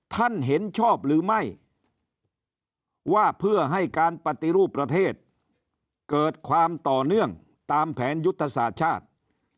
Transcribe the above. ท่านเห็นชอบหรือไม่ว่าเพื่อให้การปฏิรูปประเทศเกิดความต่อเนื่องตามแผนยุทธศาสตร์ชาติ